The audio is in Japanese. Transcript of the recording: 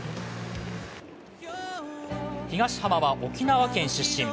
東浜は沖縄出身。